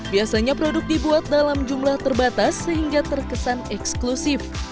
biasanya produk dibuat dalam jumlah terbatas sehingga terkesan eksklusif